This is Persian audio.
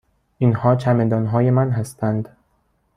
اینها چمدان های من هستند.